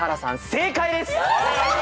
正解です。